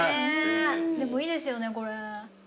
でもいいですよねこれ。